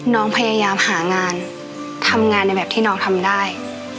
น้องพยายามหางานทำงานในแบบที่น้องทำได้